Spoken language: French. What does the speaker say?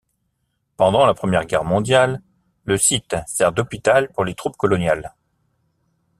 Pendant la Première Guerre mondiale, le site sert d'hôpital pour les troupes coloniales.